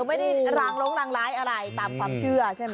ไม่ได้รางลงรางร้ายอะไรตามความเชื่อใช่ไหม